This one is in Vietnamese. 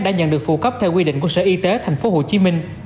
đã nhận được phụ cấp theo quy định của sở y tế tp hcm